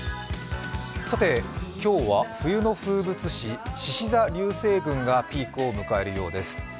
さて今日は冬の風物詩・しし座流星群がピークを迎えるようです。